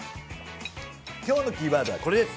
今日のキーワードはこれです。